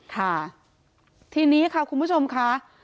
ค่ะทีนี้ค่ะคุณผู้ชมค่ะ